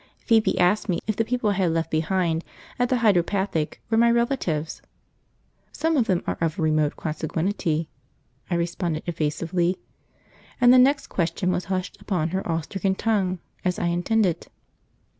Phoebe asked me if the people I had left behind at the Hydropathic were my relatives. "Some of them are of remote consanguinity," I responded evasively, and the next question was hushed upon her awe stricken tongue, as I intended.